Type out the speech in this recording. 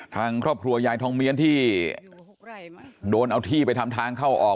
ทางครอบครัวยายทองเมียนที่โดนเอาที่ไปทำทางเข้าออก